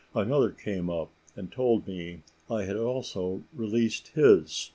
Another came up, and told me that I had also released his.